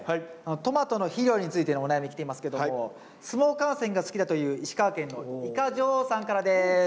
トマトの肥料についてのお悩み来ていますけども相撲観戦が好きだという石川県のイカ女王さんからです。